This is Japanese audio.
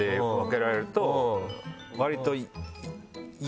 割と。